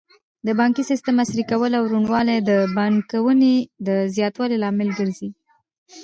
د بانکي سیسټم عصري کول او روڼوالی د پانګونې د زیاتوالي لامل ګرځي.